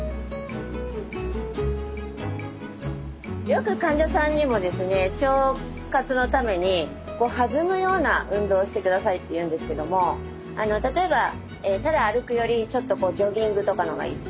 よく患者さんにもですね腸活のために弾むような運動をして下さいって言うんですけども例えばただ歩くよりちょっとこうジョギングとかの方がいい。